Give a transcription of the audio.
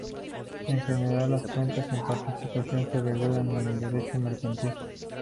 En general, las cuentas en participación se regulan en el Derecho mercantil.